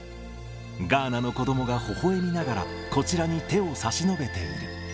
ガーナの子どもがほほえみながら、こちらに手を差し伸べている。